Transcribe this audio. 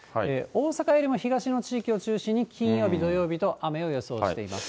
大阪よりも東の地域を中心に、金曜日、土曜日と雨を予想しています。